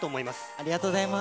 ありがとうございます。